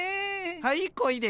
はいこいで。